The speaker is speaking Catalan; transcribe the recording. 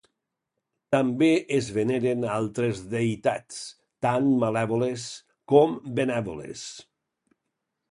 També es veneren altres deïtats, tant malèvoles com benèvoles.